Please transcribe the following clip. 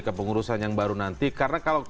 kepengurusan yang baru nanti karena kalau